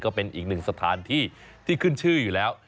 ก็เป็นอีกหนึ่งสถานที่ที่ขึ้นชื่ออยู่แล้ว